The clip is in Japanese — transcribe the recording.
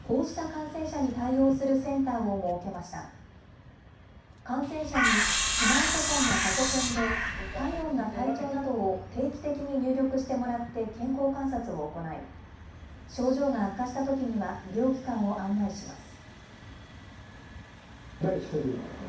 感染者にスマートフォンやパソコンで、体温や体調などを定期的に入力してもらって健康観察を行い、症状が悪化したときには医療機関を案内します。